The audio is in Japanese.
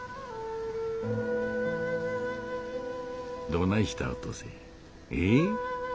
どないしたお登勢えっ？